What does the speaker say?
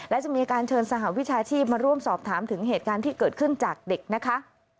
และจะมีการเชิญสหวิชาชีพมาร่วมสอบถามถึงเหตุการณ์ที่เกิดขึ้นจากเด็กนะคะ